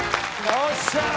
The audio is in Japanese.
よし。